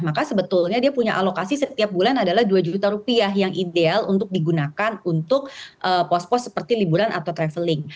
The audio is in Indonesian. maka sebetulnya dia punya alokasi setiap bulan adalah dua juta rupiah yang ideal untuk digunakan untuk pos pos seperti liburan atau traveling